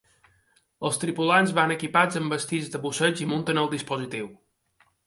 Els tripulants van equipats amb vestits de busseig i munten el dispositiu.